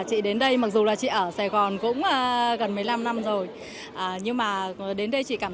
khi đến đây người tham quan có thể ngắm nhìn cả thành phố về đêm